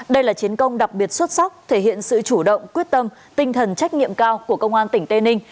đây là chiến công đặc biệt xuất sắc thể hiện sự chủ động quyết tâm tinh thần trách nhiệm cao của công an tỉnh tây ninh